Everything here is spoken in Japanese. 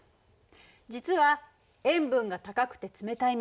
実は塩分が高くて冷たい水